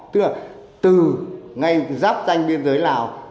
từ ngay giáp danh biên giới lào